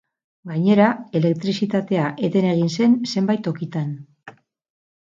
Gainera, elektrizitatea eten egin zen zenbait tokitan.